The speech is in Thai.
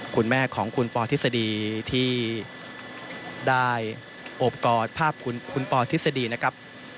คุณแม่ของคุณปอทฤษฎีที่ได้โอบกอดภาพคุณปอทฤษฎีนะครับ